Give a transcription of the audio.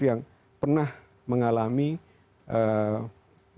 termasuk kita memberikan kesempatan atau testimoni dari beberapa public figure